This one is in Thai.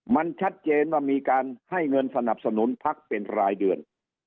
มันชัดเจนว่ามีการให้เงินสนับสนุนพักเป็นรายเดือน